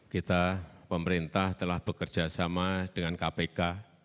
kita pemerintah telah bekerja sama dengan kpk